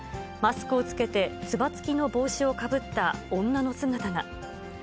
マスクを着けてつば付きの帽子をかぶった女の姿が。